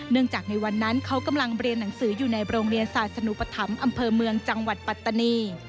จากในวันนั้นเขากำลังเรียนหนังสืออยู่ในโรงเรียนศาสนุปธรรมอำเภอเมืองจังหวัดปัตตานี